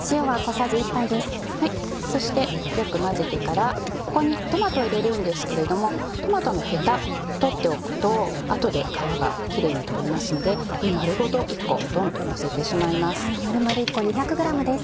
そしてよく混ぜてからここにトマトを入れるんですけれどもトマトのヘタ取っておくと後で皮がキレイに取れますのでこれ丸ごと１個ドンとのせてしまいます。